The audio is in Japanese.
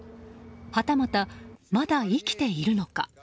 はたまた、まだ生きているのか。